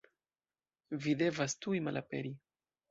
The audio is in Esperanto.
Vi devas tuj malaperi.